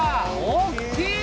大きい！